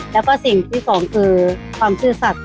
แล้วก็สิ่งที่สองคือความซื่อสัตว